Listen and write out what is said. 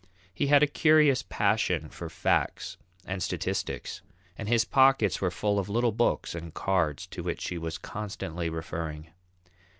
He had a curious passion for facts and statistics, and his pockets were full of little books and cards to which he was constantly referring.